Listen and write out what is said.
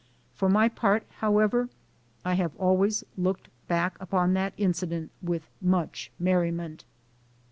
For my part, however, I have always looked back upon that incident with much merriment.